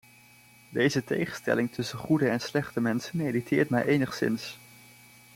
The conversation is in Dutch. Deze tegenstelling tussen goede en slechte mensen irriteert mij enigszins.